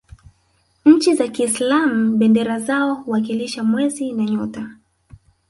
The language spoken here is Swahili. nchi za kiislam bendera zao huwakilisha mwezi na nyota